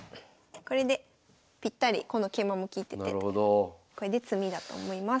これでぴったりこの桂馬も利いててこれで詰みだと思います。